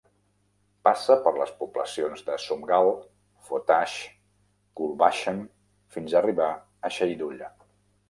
Passa per les poblacions de Sumgal, Fotash, Gulbashem, fins arribar a Xaidulla.